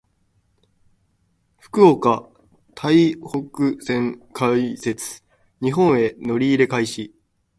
福岡・台北線開設。日本への乗り入れ開始。